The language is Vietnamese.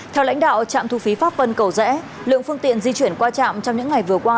theo lãnh đạo trạm thu phí pháp vân cầu rẽ lượng phương tiện di chuyển qua trạm trong những ngày vừa qua